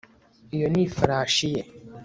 iyo ni ifarashi ye